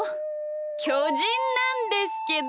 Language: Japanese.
きょじんなんですけど！